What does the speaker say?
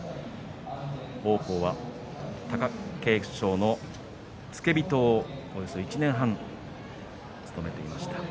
王鵬は貴景勝の付け人をおよそ１年半、務めていました。